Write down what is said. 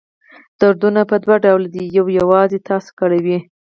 دردونه په دوه ډوله دي یو یوازې تاسو کړوي.